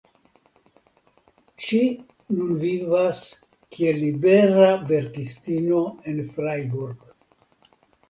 Ŝi nun vivas kiel libera verkistino en Freiburg.